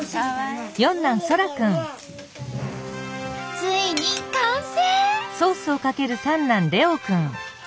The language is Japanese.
ついに完成！